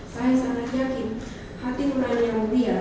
saya sangat yakin hati murahnya yang mulia